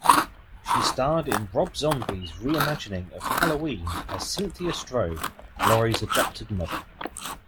She starred in Rob Zombie's re-imagining of "Halloween", as Cynthia Strode, Laurie's adoptive mother.